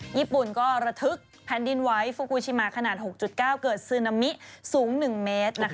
ญี่ปุ่นก็ระทึกแผ่นดินไหวฟูกูชิมาขนาด๖๙เกิดซึนามิสูง๑เมตร